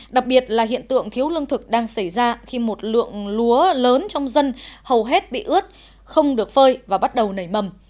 đặc biệt là hiện tượng thiếu lương thực đang xảy ra khi một lượng lúa lớn trong dân hầu hết bị ướt không được phơi và bắt đầu nảy mầm